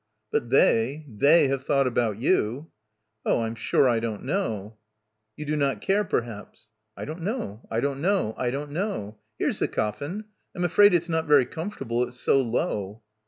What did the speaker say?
"But they, they have thought about you." "Oh, I'm sure I don't know." "You do not care, perhaps?" "I don't know, I don't know, I don't know. Here's the coflin. I'm afraid it's not very com fortable. It's so low."